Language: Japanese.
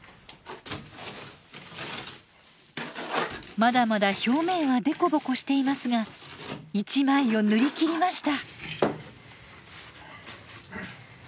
まだまだ表面は凸凹していますが１枚を塗りきりました。